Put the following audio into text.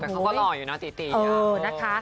แต่เขาก็หล่ออยู่นะตีนะคะ